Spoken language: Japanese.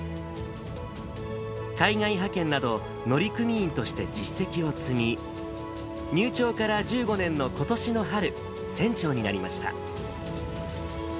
海外派遣など、乗組員として実績を積み、入庁から１５年のことしの春、船長になりました。